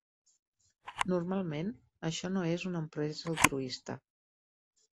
Normalment, això no és una empresa altruista.